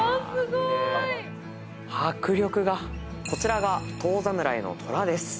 こちらが遠侍の虎です。